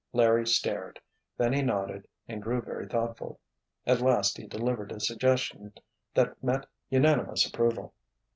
Larry stared. Then he nodded and grew very thoughtful. At last he delivered a suggestion that met unanimous approval.